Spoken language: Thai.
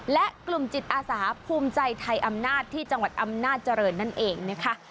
และกลุ่มจิตอาสาภูมิใจไทยอำนาจที่จังหวัดอำนาจเจริญนั่นเองนะคะ